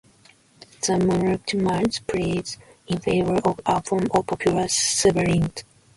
The Monarchomachs pleaded in favour of a form of "popular sovereignty".